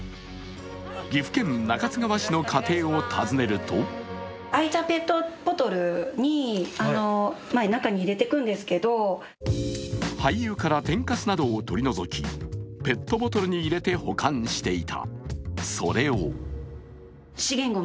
岐阜県中津川市の家庭を訪ねると廃油から天かすなどを取り除き、ペットボトルに入れて保管していた。